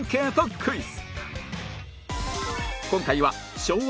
クイズ。